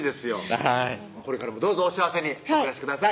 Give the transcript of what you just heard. はいこれからもどうぞお幸せにお暮らしください